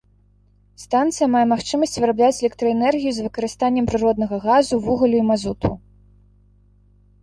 Станцыя мае магчымасць вырабляць электраэнергію з выкарыстаннем прыроднага газу, вугалю і мазуту.